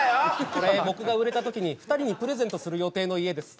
これ僕が売れた時に２人にプレゼントする予定の家です